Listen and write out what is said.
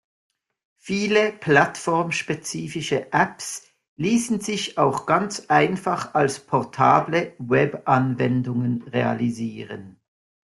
Viele plattformspezifische Apps ließen sich auch ganz einfach als portable Webanwendung realisieren.